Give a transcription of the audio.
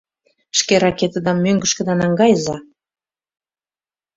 — Шке ракетыдам мӧҥгышкыда наҥгайыза!